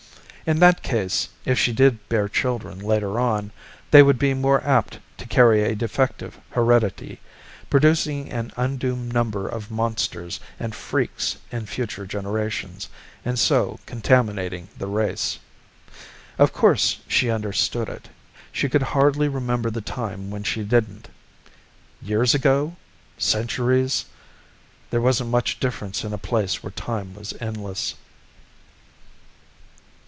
In that case, if she did bear children later on, they would be more apt to carry a defective heredity, producing an undue number of monsters and freaks in future generations, and so contaminating the race. Of course she understood it. She could hardly remember the time when she didn't. Years ago? Centuries? There wasn't much difference in a place where time was endless.